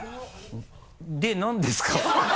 で何ですか？